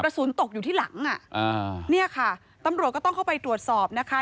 สุนตกอยู่ที่หลังอ่ะอ่าเนี่ยค่ะตำรวจก็ต้องเข้าไปตรวจสอบนะคะ